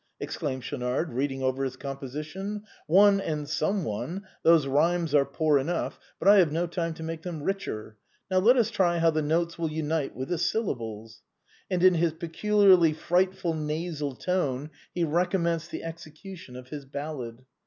" exclaimed Schaunard, reading over his composition, " one and some one — those rhymes are poor enough, but I have no time to make them richer. Now let us try how the notes will unite with the syllables." And in his peculiarly frightful nasal tone he recommenced the execution of his ballad.